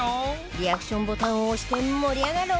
リアクションボタンを押して盛り上がろう！